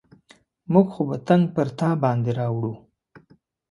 موږ خو به تنګ پر تا باندې راوړو.